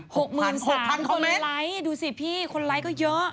๖หมื่น๓คนไลค์ดูสิพี่คนไลค์ก็เยอะ